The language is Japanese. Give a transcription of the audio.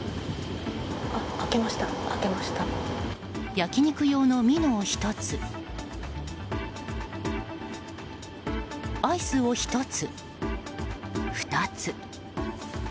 焼き肉用のミノを１つアイスを１つ、２つ。